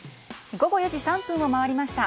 午後４時３分を回りました。